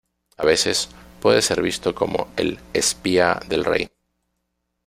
A veces, puede ser visto como el "espía" del rey.